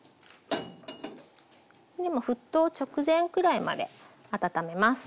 今沸騰直前くらいまで温めます。